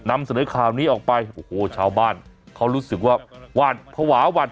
นำเสนอข่าวนี้ออกไปโอ้โหชาวบ้านเขารู้สึกว่าวัน